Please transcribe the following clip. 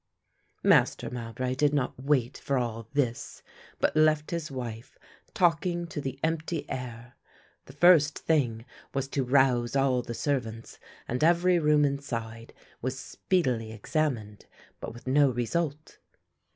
Master Mowbray did not wait for all this, but left his wife talking to the empty air. The first thing was to rouse all the servants and every room inside was speedily examined, but with no result.